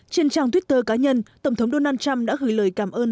trên trang twitter cá nhân tổng thống donald trump đã gửi lời cảm ơn